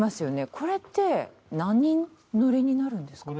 これって何人乗りになるんですかね？